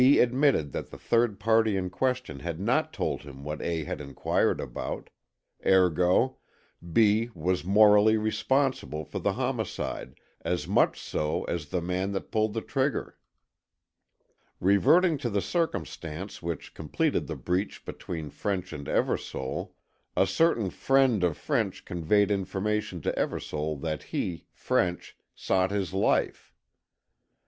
admitted that the third party in question had not told him what A. had inquired about. Ergo: B. was morally responsible for the homicide, as much so as the man that pulled the trigger. Reverting to the circumstance which completed the breach between French and Eversole: A certain friend (?) of French conveyed information to Eversole that he, French, sought his life.